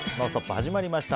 始まりました。